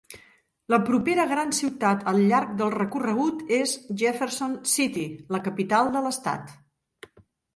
La propera gran ciutat al llarg del recorregut és Jefferson City, la capital de l'estat.